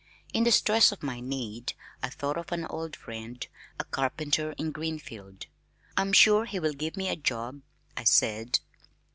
In the stress of my need I thought of an old friend, a carpenter in Greenfield. "I'm sure he will give me a job," I said.